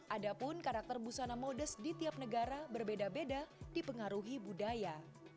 ada pun karakter busana modus di tiap negara berbeda beda dipengaruhi budaya